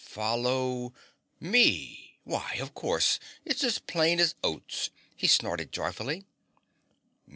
Follow ME! Why of course, it's as plain as oats!" he snorted joyfully.